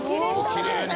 きれいに。